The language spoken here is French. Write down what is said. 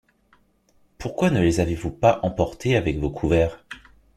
Pourquoi ne les avez-vous pas emportés avec vos couverts?